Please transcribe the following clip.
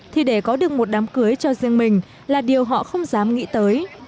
thì để có được một đám cưới cho riêng mình là điều họ không dám nghĩ tới